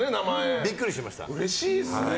うれしいですね。